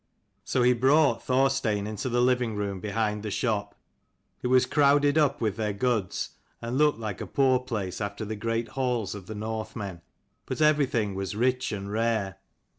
So he brought Thorstein into the living room behind the shop. It was crowded up with their goods, and looked like a poor place after the great halls of the Northmen : but every thing was rich and rare.